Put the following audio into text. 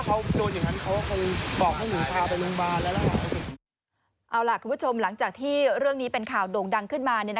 เอาล่ะคุณผู้ชมหลังจากที่เรื่องนี้เป็นข่าวโด่งดังขึ้นมา